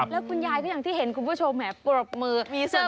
แล้วคุณยายก็อย่างที่เห็นคุณผู้ชมแหมปรบมือ